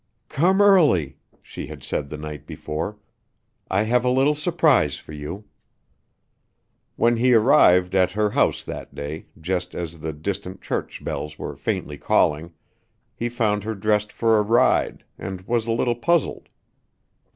"Come early," she had said the night before; "I have a little surprise for you." When he arrived at her house that day, just as the distant church bells were faintly calling, he found her dressed for a ride, and was a little puzzled.